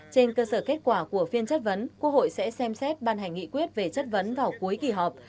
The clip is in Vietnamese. trên cơ sở kết quả của phiên chất vấn quốc hội sẽ xem xét ban hành nghị quyết về chất vấn vào cuối kỳ họp